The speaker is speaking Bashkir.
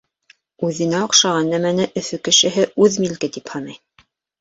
Үҙенә оҡшаған нәмәне Өфө кешеһе үҙ милке тип һанай.